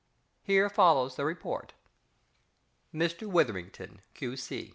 HERE FOLLOWS THE REPORT. _Mr Witherington, Q.C.